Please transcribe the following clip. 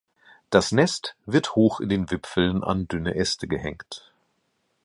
Das Nest wird hoch in den Wipfeln an dünne Äste gehängt.